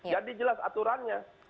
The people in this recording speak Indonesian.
jadi jelas aturannya